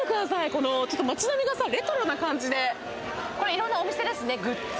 このちょっと町並みがさレトロな感じでこれ色んなお店ですねグッズ